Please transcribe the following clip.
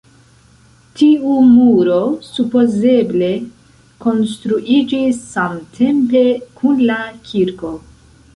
Tiu muro supozeble konstruiĝis samtempe kun la kirko.